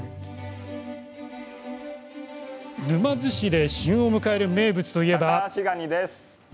沼津市で旬を迎える名物といえば。